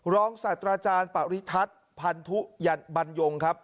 ร้องศัตราจารย์ปริธัตรพันธุยันต์บรรยงครับ